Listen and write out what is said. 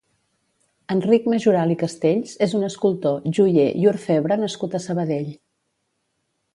Enric Majoral i Castells és un escultor, joier i orfebre nascut a Sabadell.